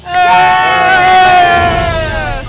เฮ้ย